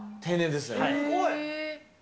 すごい。